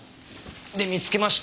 で見つけました。